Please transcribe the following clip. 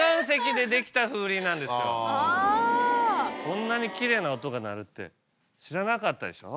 こんなにきれいな音が鳴るって知らなかったでしょ？